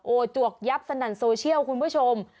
จวกยับสนั่นโซเชียลคุณผู้ชม